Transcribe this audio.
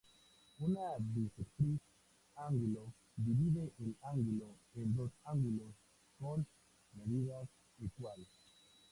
Una bisectriz ángulo divide el ángulo en dos ángulos con medidas equal.